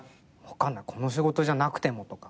この仕事じゃなくてもとか。